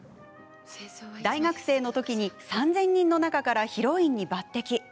大学生のときに３０００人の中からヒロインに抜てき。